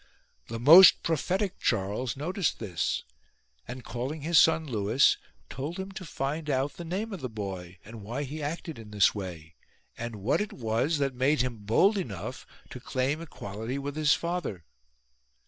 The most prophetic Charles noticed this ; and, calling his son Lewis, told him to find out the name of the boy ; and why he acted in this way ; and what it was that made him bold enough to claim equality with his father.